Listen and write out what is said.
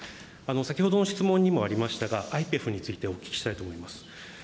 先ほどの質問にもありましたが、ＩＰＥＦについてお聞きしたいと思います。